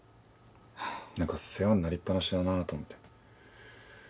何か世話になりっ放しだなと思って。